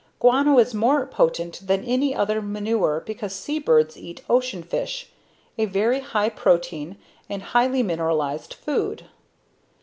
Guano is more potent than any other manure because sea birds eat ocean fish, a very high protein and highly mineralized food.